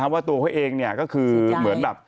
ว่าตัวเขาเองก็คือเหมือนแบบ